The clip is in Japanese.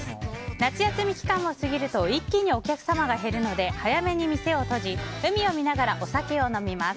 夏休み期間を過ぎると一喜の客様が減るので早めに店を閉じ海を見ながらお酒を飲みます。